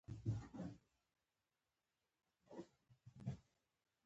ښوونکي په ښوونځیو کې په خپل وخت حاضریږي.